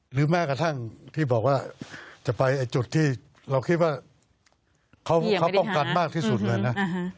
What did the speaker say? หรือแม้กระทั่งพี่บอกว่าจะไปไอ้จุดที่เราคิดว่าเขาเขาฝังกันมากที่สุดเลยน่ะอ๋อฮะ